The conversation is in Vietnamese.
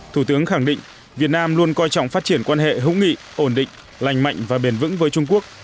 thủ tướng khẳng định việt nam luôn coi trọng phát triển quan hệ hữu nghị ổn định lành mạnh và bền vững với trung quốc